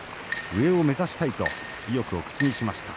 上を目指したいと意欲を口にしました。